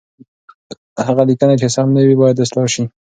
هغه لیکنه چې سم نه وي، باید اصلاح شي.